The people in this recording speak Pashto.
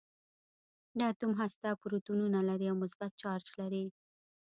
د اتوم هسته پروتونونه لري او مثبت چارج لري.